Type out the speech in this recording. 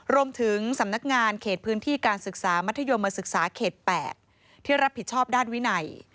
รวมถึงสำนักงานเขตพื้นที่การศึกษามัธยมศึกษาเขต๘ที่รับผิดชอบด้านวินัย